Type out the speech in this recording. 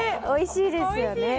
おいしいですよね。